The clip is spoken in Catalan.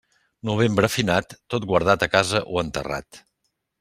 Novembre finat, tot guardat a casa o enterrat.